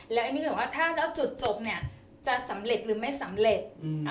แล้วเอมมี่ก็บอกว่าถ้าแล้วจุดจบเนี่ยจะสำเร็จหรือไม่สำเร็จ